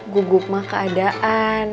gugup mah keadaan